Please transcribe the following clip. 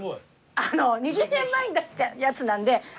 あの２０年前に出したやつなんではい。